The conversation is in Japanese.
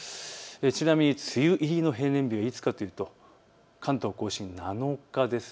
ちなみに梅雨入りの平年日はいつかというと関東甲信７日です。